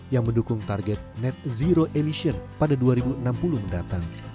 yang mendukung target net zero emission pada dua ribu enam puluh mendatang